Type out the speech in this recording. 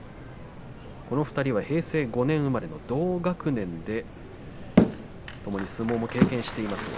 この２人は平成５年生まれ同学年で、ともに相撲も経験しています。